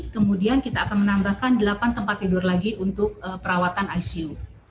kemudian kita akan menambahkan delapan tempat tidur lagi untuk perawatan icu